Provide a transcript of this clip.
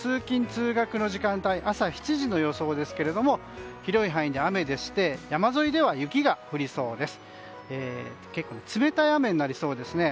通勤・通学の時間帯朝７時の予想ですけれども広い範囲で雨でして山沿いでは雪が降りそうです。